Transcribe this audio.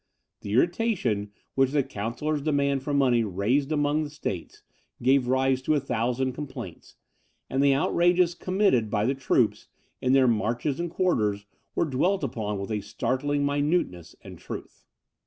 The irritation which the chancellor's demand for money raised among the states, gave rise to a thousand complaints; and the outrages committed by the troops, in their marches and quarters, were dwelt upon with a startling minuteness and truth.